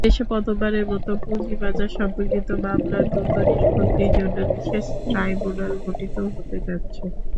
দেশে প্রথমবারের মতো পুঁজিবাজার-সম্পর্কিত মামলা দ্রুত নিষ্পত্তির জন্য বিশেষ ট্রাইব্যুনাল গঠিত হতে যাচ্ছে।